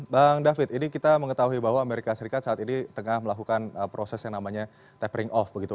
bang david ini kita mengetahui bahwa amerika serikat saat ini tengah melakukan proses yang namanya tapering off begitu